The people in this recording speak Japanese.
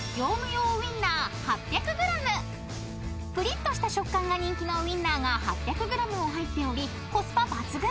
［プリッとした食感が人気のウインナーが８００ｇも入っておりコスパ抜群。